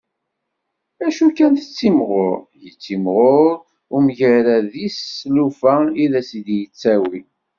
Acu kan tettimɣur, yettimɣur umgarad-is d tlufa i d as-d-yettawi.